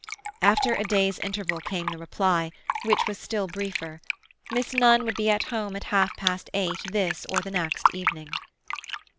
After a day's interval came the reply, which was still briefer. Miss Nunn would be at home at half past eight this or the next evening.